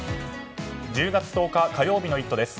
１０月１０日、火曜日の「イット！」です。